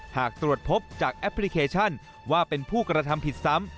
หากตรวจพบจากแอปพลิเคชันว่าเป็นผู้กระทำผิดซ้ำ